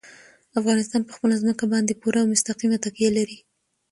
افغانستان په خپله ځمکه باندې پوره او مستقیمه تکیه لري.